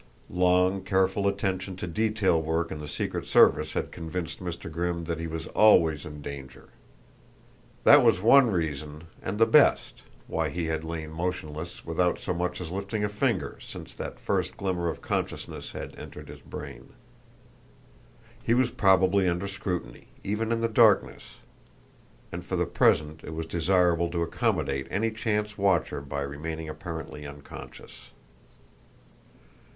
Long, careful attention to detail work in the Secret Service had convinced Mr. Grimm that he was always in danger. That was one reason and the best why he had lain motionless, without so much as lifting a finger, since that first glimmer of consciousness had entered his brain. He was probably under scrutiny, even in the darkness, and for the present it was desirable to accommodate any chance watcher by remaining apparently unconscious.